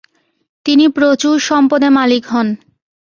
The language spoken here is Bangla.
তিনি প্রচুর সম্পদের মালিক হন।